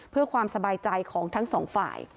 เพื่อความสบายใจของทั้งสองฝ่าย